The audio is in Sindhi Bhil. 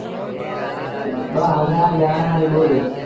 ٻآ هزآر يآرآن ريٚ ٻوڏ۔